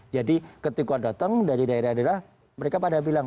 jadi ketika datang dari daerah daerah mereka pada bilang